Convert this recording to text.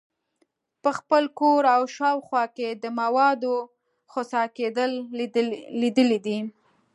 په خپل کور او شاوخوا کې د موادو خسا کیدل لیدلي دي.